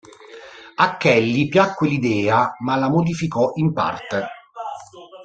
A Kelly piacque l'idea, ma la modificò in parte.